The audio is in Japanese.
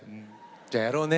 「じゃあやろうね」。